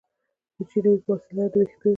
د جینونو په وسیله د ویښتو